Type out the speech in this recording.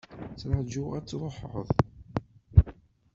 Ttrajuɣ ad truḥeḍ.